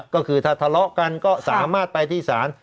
ก็คือถ้าทะเลาะกันก็สามารถไปที่ศาล